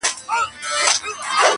بد بویي وه او که نه وه غریبي وه -